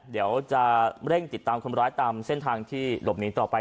เดี๋ยวจะเร่งติดตามคนร้ายตามเส้นทางที่หลบหนีต่อไป